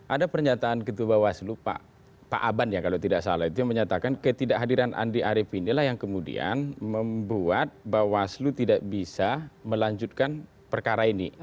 ada pernyataan ketua bawaslu pak aban ya kalau tidak salah itu yang menyatakan ketidakhadiran andi arief inilah yang kemudian membuat bawaslu tidak bisa melanjutkan perkara ini